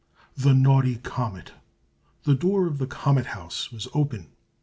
THE NAUGHTY COMET The door of the Comet House was open.